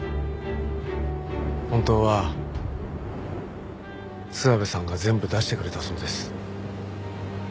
本当は諏訪部さんが全部出してくれたそうです。